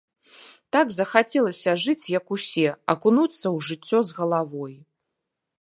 Так захацелася жыць, як усе, акунуцца ў жыццё з галавой.